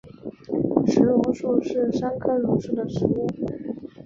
石榕树是桑科榕属的植物。